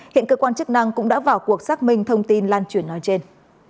hiện cơ quan chức năng cũng đã vào cuộc xác minh thông tin lan truyền nói trên